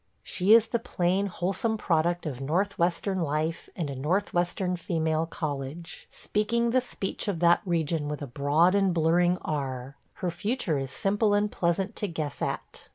She is the plain, wholesome product of Northwestern life and a Northwestern female college – speaking the speech of that region with a broad and blurring R. ... Her future is simple and pleasant to guess at.